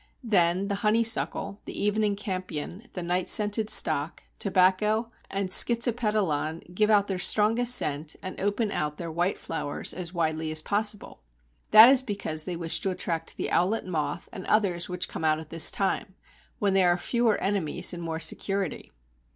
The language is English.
Then the Honeysuckle, the Evening Campion, the Night scented Stock, Tobacco, and Schizopetalon give out their strongest scent and open out their white flowers as widely as possible. That is because they wish to attract the owlet moth and others which come out at this time, when there are fewer enemies and more security.